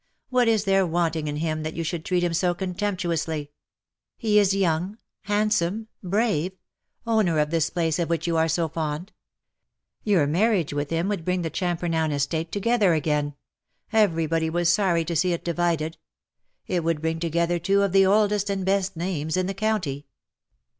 " What is there wanting in him that you should treat him so contemptuously ? He is young, VOL. II. H 98 ^^BUT HERE IS OXE WHO handsome, brave — owner of this place of which you are so fond. Yonr marriage with him would bring the Champernowne estate together again. Every body was sorry to see it divided. It would bring together two of the oldest and best names in the county.